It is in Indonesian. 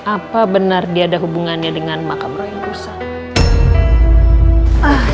apa benar dia ada hubungannya dengan makamrah yang rusak